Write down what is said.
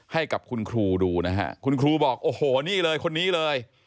ให้กับคุณครูดูนะฮะคุณครูบอกโอ้โหนี่เลยคนนี้เลย